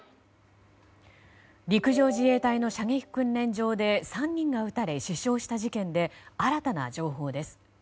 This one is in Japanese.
陸上自衛隊の射撃訓練場で３人が撃たれ死傷した事件で新たな情報です。